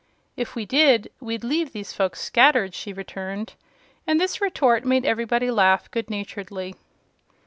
"If we did, we'd leave these folks scattered," she returned, and this retort made everybody laugh good naturedly.